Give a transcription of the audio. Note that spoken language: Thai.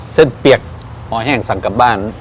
อ๋อเส้นเปียกหอแห้งสั่งกลับบ้าน